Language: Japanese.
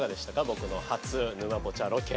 僕の初「ぬまポチャ」ロケ。